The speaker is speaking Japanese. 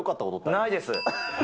ないです。